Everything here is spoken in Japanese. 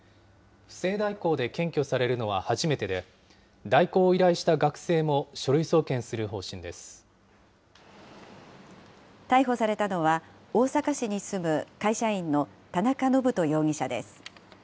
不正代行で検挙されるのは初めてで、代行を依頼した学生も書逮捕されたのは、大阪市に住む会社員の田中信人容疑者です。